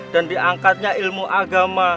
dan diangkatnya ilmu agama